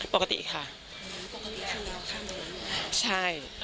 ปกติค่ะใช่